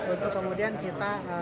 untuk kemudian kita